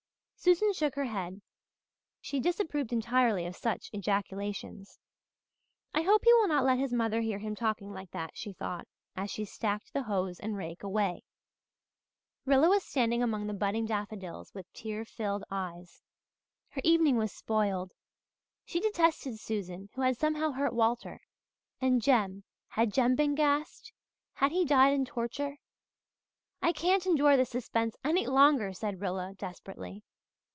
Susan shook her head. She disapproved entirely of such ejaculations. "I hope he will not let his mother hear him talking like that," she thought as she stacked the hoes and rake away. Rilla was standing among the budding daffodils with tear filled eyes. Her evening was spoiled; she detested Susan, who had somehow hurt Walter; and Jem had Jem been gassed? Had he died in torture? "I can't endure this suspense any longer," said Rilla desperately.